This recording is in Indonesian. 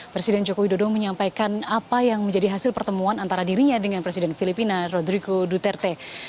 presiden jokowi dodo menyampaikan apa yang menjadi hasil pertemuan antara dirinya dengan presiden filipina rodriko duterte